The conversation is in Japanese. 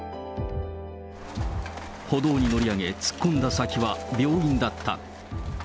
歩道に乗り上げ、突っ込んだ先は病院だった。